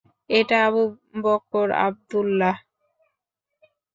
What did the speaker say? এটা আবু বকর আবদুল্লাহ!